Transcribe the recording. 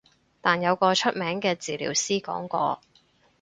但有個出名嘅治療師講過